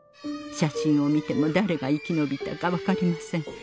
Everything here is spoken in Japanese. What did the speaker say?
写真を見ても誰が生きのびたか分かりません。